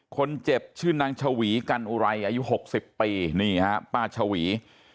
คนเจ็บชื่อนางชวีกันอุไรอายุ๖๐ปีนี่ฮะป้าชวี